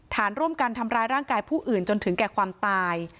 ฐานร่วมกันทำร้ายร่างกายผู้อื่นจนถึงแก่ความตาย